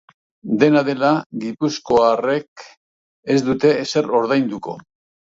Dena dela, gipuzkoarrek ez dute ezer ordainduko.